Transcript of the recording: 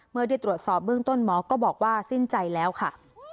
เมื่อได้ตรวจสอบเบื้องต้นหมอก็บอกว่าสิ้นใจแล้วค่ะ